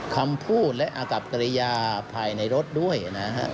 คำพูดและอากับกริยาภายในรถด้วยนะฮะ